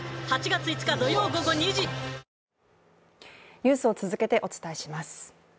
ニュースを続けてお伝えします。